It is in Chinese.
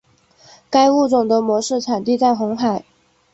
该物种的模式产地在红海。